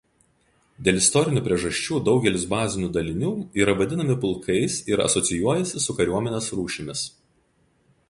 Dėl istorinių priežasčių daugelis bazinių dalinių yra vadinami pulkais ir asocijuojasi su kariuomenės rūšimis.